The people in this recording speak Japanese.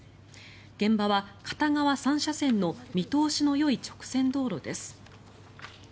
現場は、片側３車線の見通しのよい直線道路です。